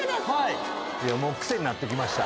いやもう癖になってきました。